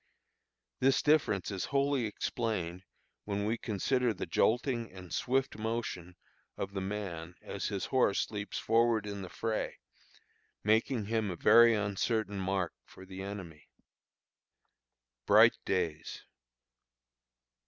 This difference is wholly explained when we consider the jolting and swift motion of the man as his horse leaps forward in the fray, making him a very uncertain mark for the enemy. BRIGHT DAYS.